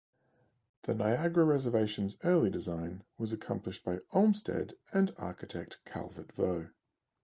The Niagara Reservation's early design was accomplished by Olmsted and architect Calvert Vaux.